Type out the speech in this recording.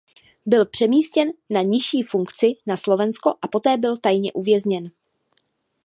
Byl přemístěn na nižší funkci na Slovensko a poté byl tajně uvězněn.